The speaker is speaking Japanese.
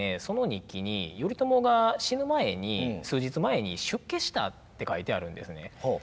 その日記に頼朝が死ぬ前に数日前に出家したって書いてあるんですね。